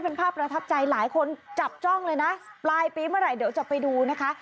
เป็นภาพประทับใจหลายคนจับจ้องเลยนะปลายปีเมื่อไหร่เดี๋ยวจะไปดูนะคะ